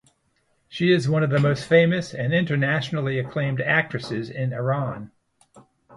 She is one of the most famous and internationally acclaimed actresses in Iran.